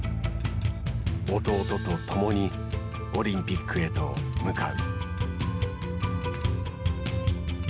弟とともにオリンピックへと向かう。